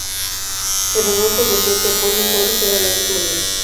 Heródoto decía que Apolo y Horus eran el mismo dios.